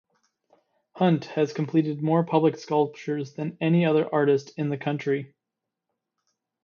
Hunt has completed more public sculptures than any other artist in the country.